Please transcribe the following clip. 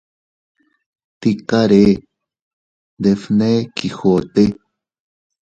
—Tikaree— nbefne Quijote—.